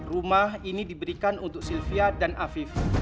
rumah ini diberikan untuk sylvia dan afif